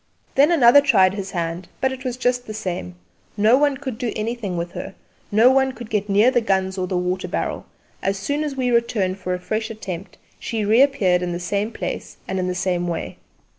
Then another tried his hand; but it was just the same. No one could do anything with her; no one could get near the guns or the water barrel; as soon as we returned for a fresh attempt she reappeared in the same place and in the same way.